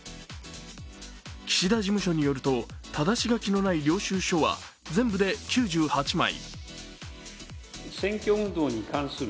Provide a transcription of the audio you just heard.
岸田事務所によると、ただし書きのない領収書は、全部９８枚。